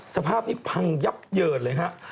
สภาพนี้พังยับเยินเลยฮะ